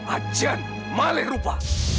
ajian malek rupa